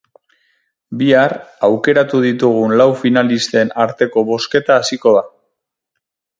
Bihar aukeratu ditugun lau finalisten arteko bozketa hasiko da.